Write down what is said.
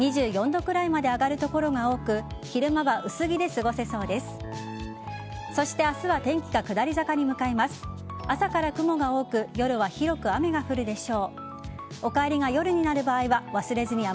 ２４度くらいまで上がる所が多く昼間は薄着で過ごせそうです。